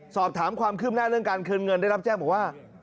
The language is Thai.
สอบถามความคืบหน้าเรื่องการคืนเงินได้รับแจ้งบอกว่า